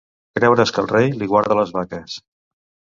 Creure's que el rei li guarda les vaques.